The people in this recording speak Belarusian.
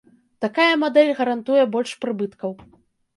Такая мадэль гарантуе больш прыбыткаў.